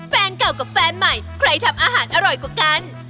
แฟนเก่ากับแฟนใหม่ใครทำอาหารอร่อยกว่ากัน